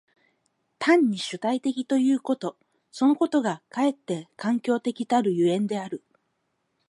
単に主体的ということそのことがかえって環境的たる所以である。